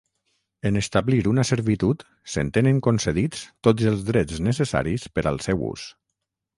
En establir una servitud s'entenen concedits tots els drets necessaris per al seu ús.